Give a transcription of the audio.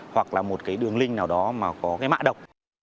hoặc là một cái đường link nào đó mà có cái mạ độc